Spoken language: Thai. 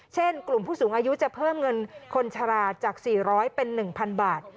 เช่นกลุ่มผู้สูงอายุจะเพิ่มเงินคนชะลาจาก๔๐๐เป็น๑๐๐บาท